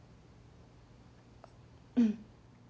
うん。